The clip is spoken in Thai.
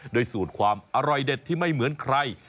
สูตรความอร่อยเด็ดที่ไม่เหมือนใคร